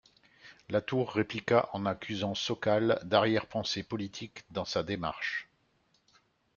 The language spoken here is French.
Latour répliqua en accusant Sokal d'arrière-pensées politiques dans sa démarche.